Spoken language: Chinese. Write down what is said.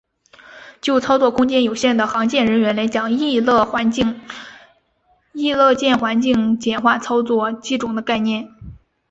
就操作空间有限的航舰人员来讲亦乐见环境简化操作机种的概念。